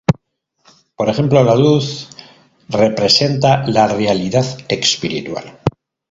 Por ejemplo, la luz representa la realidad espiritual.